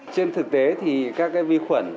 trên thực tế thì các vi khuẩn